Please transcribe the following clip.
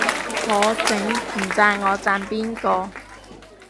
我整，唔讚我讚邊個